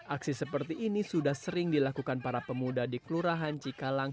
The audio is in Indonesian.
aksi seperti ini sudah sering dilakukan para pemuda di kelurahan cikalang